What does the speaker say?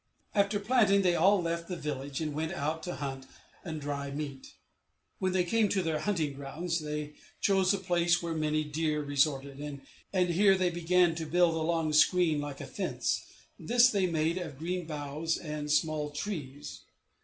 After planting, they all left the village, and went out to hunt and dry meat. When they came to their hunting grounds, they chose a place where many deer resorted, and here they began to build a long screen like a fence; this they made of green boughs and small trees.